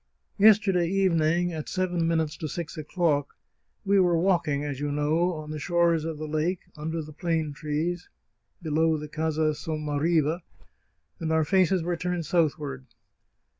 " Yesterday evening, at seven minutes to six o'clock, we were walking, as you know, on the shores of the lake, under the plane trees, below the Casa Sommariva, and our faces were turned southward.